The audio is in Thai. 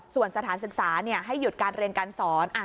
ส่วนสถานศึกษาให้หยุดการเรียนการสอน